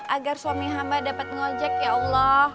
agar suami hamba dapat mengojak ya allah